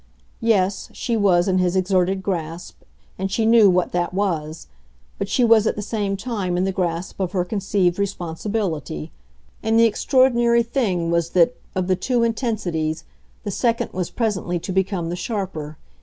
Yes, she was in his exerted grasp, and she knew what that was; but she was at the same time in the grasp of her conceived responsibility, and the extraordinary thing was that, of the two intensities, the second was presently to become the sharper.